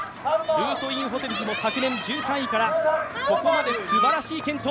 ルートインホテルズも昨年１３位から、ここまですばらしい健闘。